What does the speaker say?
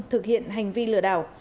thực hiện hành vi lừa đảo